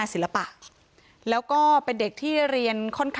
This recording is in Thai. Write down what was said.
เป็นมีดปลายแหลมยาวประมาณ๑ฟุตนะฮะที่ใช้ก่อเหตุ